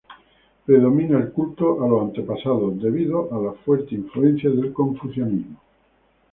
Predomina el culto a los antepasados debido a la fuerte influencia del confucianismo.